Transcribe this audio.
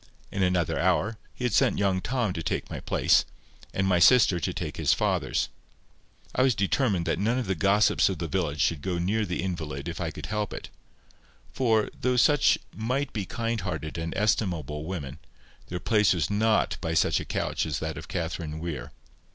In another hour, he had sent young Tom to take my place, and my sister to take his father's. I was determined that none of the gossips of the village should go near the invalid if I could help it; for, though such might be kind hearted and estimable women, their place was not by such a couch as that of Catherine Weir.